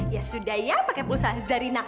ya sudah ya pakai pulsa zarina